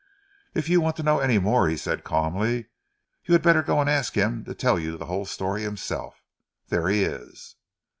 "If you want to know any more," he said calmly, "you had better go and ask him to tell you the whole story himself. There he is."